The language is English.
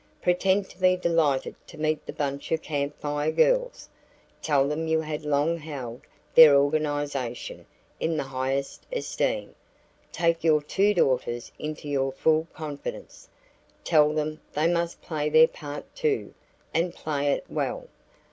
Pretend to be delighted to meet the bunch of Camp Fire Girls. Tell them you had long held their organization in the highest esteem. Take your two daughters into your full confidence. Tell them they must play their part, too, and play it well.